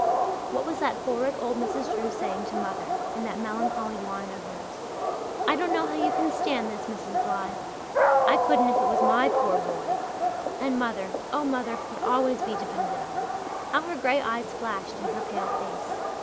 What was that horrid old Mrs. Drew saying to mother, in that melancholy whine of hers? "I don't know how you can stand this, Mrs. Blythe. I couldn't if it was my pore boy." And mother oh, mother could always be depended on! How her grey eyes flashed in her pale face.